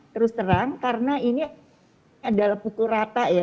terus terang karena ini adalah pukul rata ya